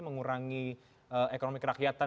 mengurangi ekonomi kerakyatan